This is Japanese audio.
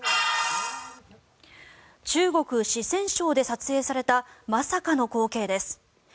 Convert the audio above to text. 中国・四川省で撮影されたまさかの光景です。